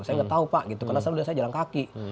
saya gak tau pak gitu karena selalu dia jalan kaki